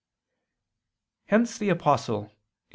Hence the Apostle (Gal.